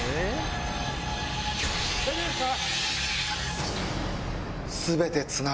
大丈夫ですか？